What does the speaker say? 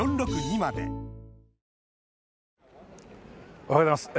おはようございます。